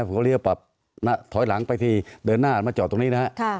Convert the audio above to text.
ผมก็เรียกปรับถอยหลังไปทีเดินหน้ามาจอดตรงนี้นะฮะ